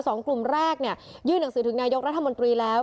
สองกลุ่มแรกเนี่ยยื่นหนังสือถึงนายกรัฐมนตรีแล้ว